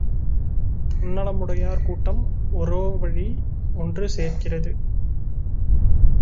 தன்னலமுடையார் கூட்டம் ஒரோவழி ஒன்று சேர்கிறது!